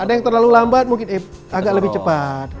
ada yang terlalu lambat mungkin agak lebih cepat